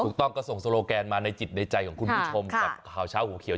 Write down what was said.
ถูกต้องก็ส่งโลแกนมาในจิตในใจของคุณผู้ชมกับข่าวเช้าหัวเขียว